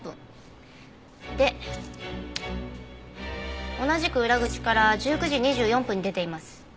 で同じく裏口から１９時２４分に出ています。